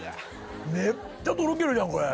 めっちゃとろけるじゃんこれ。